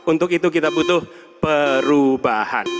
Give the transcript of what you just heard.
untuk itu kita butuh perubahan